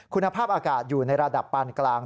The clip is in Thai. คุณภาพอากาศอยู่ในระดับปานกลาง